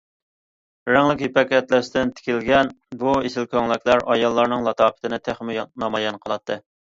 رەڭلىك يىپەك ئەتلەستىن تىكىلگەن بۇ ئېسىل كۆڭلەكلەر ئاياللارنىڭ لاتاپىتىنى تېخىمۇ نامايان قىلاتتى.